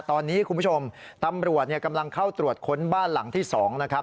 ตอนนี้คุณผู้ชมตำรวจกำลังเข้าตรวจค้นบ้านหลังที่๒นะครับ